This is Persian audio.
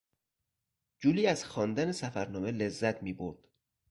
جولی از خواندن سفر نامه لذت میبرد.